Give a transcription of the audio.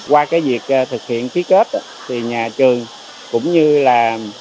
qua cái việc thực hiện ký kết thì nhà trường cũng như là